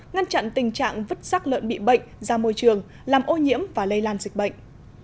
ngăn chặn tình trạng vứt sắc lợn bị bệnh ra môi trường làm ô nhiễm và lây lan dịch bệnh